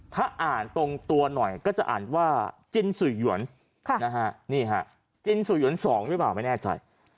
ถ้าอ่านตรงตัวหน่อยก็จะอ่านว่าจินสุยวนนี่ฮะจินสุยวน๒หรือเปล่าไม่แน่ใจ